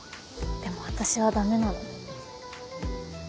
でも私はダメなの。